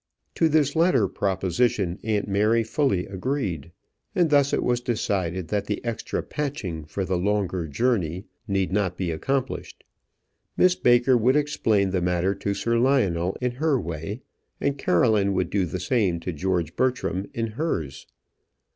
To this latter proposition aunt Mary fully agreed; and thus it was decided that the extra patching for the longer journey need not be accomplished. Miss Baker would explain the matter to Sir Lionel in her way; and Caroline would do the same to George Bertram in hers.